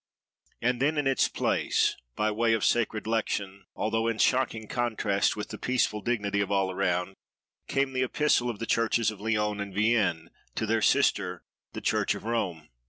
And then, in its place, by way of sacred lection, although in shocking contrast with the peaceful dignity of all around, came the Epistle of the churches of Lyons and Vienne, to "their sister," the church of Rome.